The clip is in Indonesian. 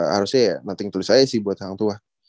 harusnya ya nothing to lose aja sih buat hang tua